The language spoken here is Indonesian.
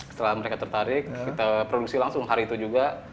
setelah mereka tertarik kita produksi langsung hari itu juga